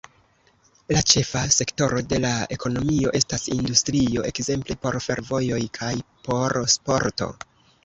La ĉefa sektoro de la ekonomio estas industrio, ekzemple por fervojoj kaj por sporto.